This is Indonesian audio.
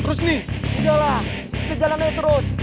terus nih udah lah